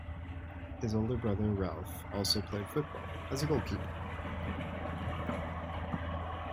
His older brother, Ralph, also played football, as a goalkeeper.